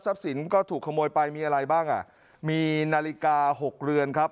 สินก็ถูกขโมยไปมีอะไรบ้างอ่ะมีนาฬิกาหกเรือนครับ